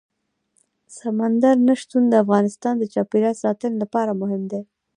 سمندر نه شتون د افغانستان د چاپیریال ساتنې لپاره مهم دي.